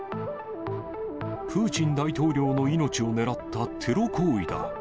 プーチン大統領の命を狙ったテロ行為だ。